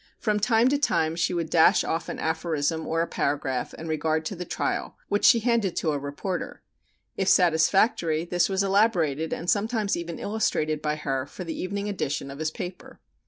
From time to time she would dash off an aphorism or a paragraph in regard to the trial which she handed to a reporter. If satisfactory this was elaborated and sometimes even illustrated by her for the evening edition of his paper.